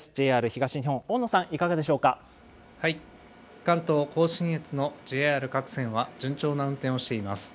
ＪＲ東日本、大野さん、いかがで関東甲信越のＪＲ各線は順調な運転をしています。